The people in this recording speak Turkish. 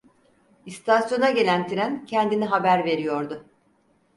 İstasyona gelen tren, kendini haber veriyordu.